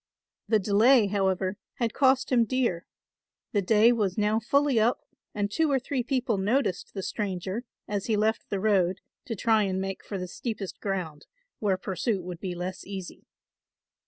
The delay, however, had cost him dear; the day was now fully up and two or three people noticed the stranger as he left the road to try and make for the steepest ground where pursuit would be less easy.